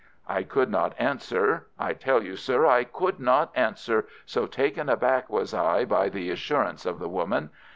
I could not answer—I tell you, sir, I could not answer, so taken aback was I by the assurance of the woman.